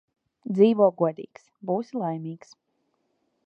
Dzīvo godīgs – būsi laimīgs